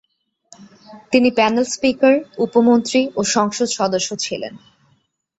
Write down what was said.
তিনি panel speaker, উপমন্ত্রী ও সংসদ সদস্য ছিলেন।